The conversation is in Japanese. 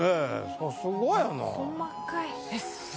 さすがやな。